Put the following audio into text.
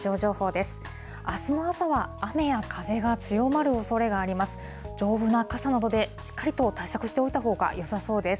あすの朝は雨や風が強まるおそれがあります。